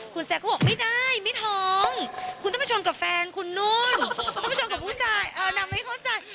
คุณแซคก็บอกไม่ได้ไม่ท้องคุณต้องไปชนกับแฟนคุณนู่นต้องไปชนกับผู้ชายเออนางไม่เข้าใจ